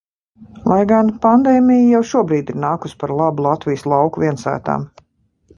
Lai gan – pandēmija jau šobrīd ir nākusi par labu Latvijas lauku viensētām.